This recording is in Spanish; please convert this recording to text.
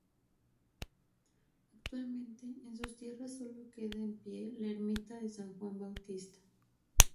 Actualmente en sus tierras solo queda en pie la ermita de San Juan Bautista.